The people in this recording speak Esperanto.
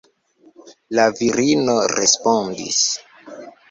La virino respondis: